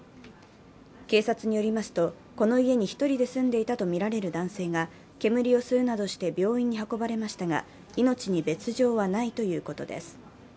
警察によりますとこの家に１人で住んでいたとみられる男性が煙を吸うなどして病院に運ばれましたが、命に別状はないということです。